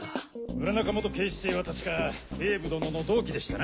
村中警視正は確か警部殿の同期でしたな？